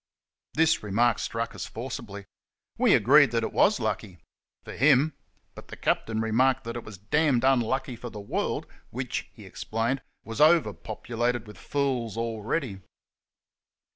This remark struck us forcibly. We agreed that it was lucky for him ; but the captain remarked that it was damned unlucky for the world, which, he explained, was over populated with fools already.